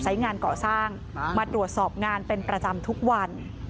งานก่อสร้างมาตรวจสอบงานเป็นประจำทุกวัน